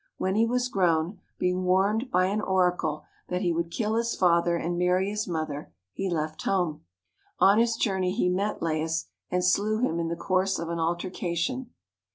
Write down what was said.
When he was grown, being warned by an oracle that he would kill his father and marry his mother, he left home. On his journey he met Laius and slew him in the course of an altercation.